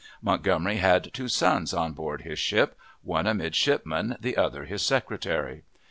Montgomery had two sons on board his ship, one a midshipman, the other his secretary.